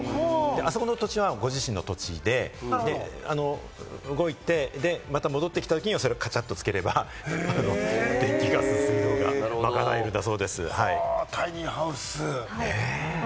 あそこの土地はご自身の土地で、動いて、また戻ってきたときにそれをカチャっと付ければ電気・ガス・水道がまかなえるんだそうです。